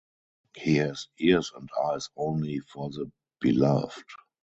He has ears and eyes only for the beloved.